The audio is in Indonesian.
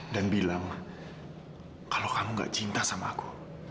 dan bilang kalau kamu nggak cinta sama aku